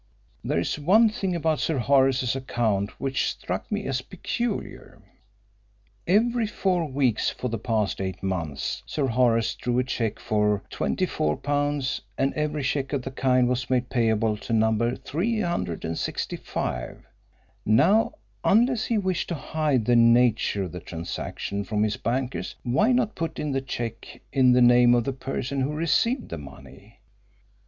"There is one thing about Sir Horace's account which struck me as peculiar. Every four weeks for the past eight months Sir Horace drew a cheque for £24, and every cheque of the kind was made payable to Number 365. Now, unless he wished to hide the nature of the transaction from his bankers, why not put in the cheque in the name of the person who received the money?